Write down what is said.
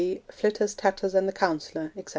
P.; Flitters, Tatters, and the Counsellor, etc.